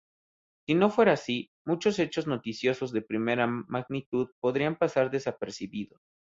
Si no fuera así, muchos hechos noticiosos de primera magnitud podrían pasar desapercibidos.